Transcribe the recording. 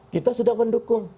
kita sudah mendukung